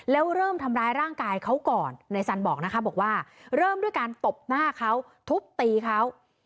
แล้วเริ่มทำร้ายร่างกายเขาก่อนนายสันบอกนะคะบอกว่าเริ่มด้วยการตบหน้าเขาทุบตีเขา